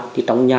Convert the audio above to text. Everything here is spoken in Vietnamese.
đi trong nhà